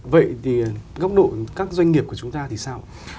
vậy thì góc độ các doanh nghiệp của chúng ta thì sao